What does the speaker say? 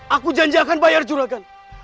aku janjikan bayar juragan